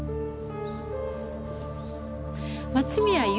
松宮優